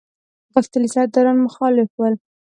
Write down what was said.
غښتلي سرداران مخالف ول.